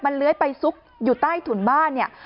เลื้อยไปซุกอยู่ใต้ถุนบ้านเนี่ย